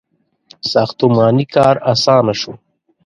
• ساختماني کار آسانه شو.